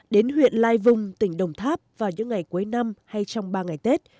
đến huyện lai vung tỉnh đồng tháp vào những ngày cuối năm hay trong ba ngày tết